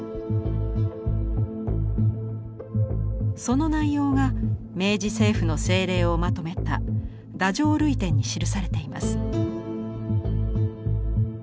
その内容が明治政府の政令をまとめた「太政類典」に記されています。